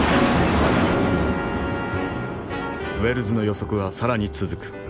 ウェルズの予測は更に続く。